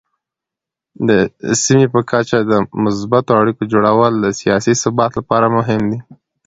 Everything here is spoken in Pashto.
د سیمې په کچه د مثبتو اړیکو جوړول د سیاسي ثبات لپاره مهم دي.